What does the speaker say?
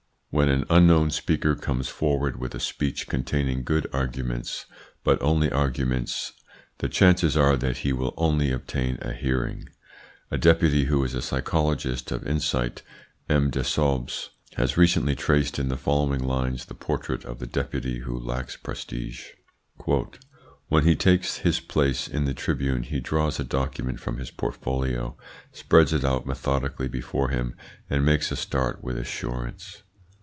When an unknown speaker comes forward with a speech containing good arguments, but only arguments, the chances are that he will only obtain a hearing. A Deputy who is a psychologist of insight, M. Desaubes, has recently traced in the following lines the portrait of the Deputy who lacks prestige: "When he takes his place in the tribune he draws a document from his portfolio, spreads it out methodically before him, and makes a start with assurance.